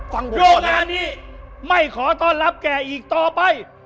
โรงงานนี้ไม่ขอต้อนรับแกอีกต่อไป